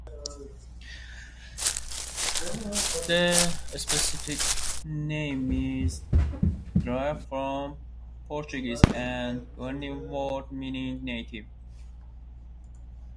The specific name is derived from Portuguese and Guarani word meaning "native".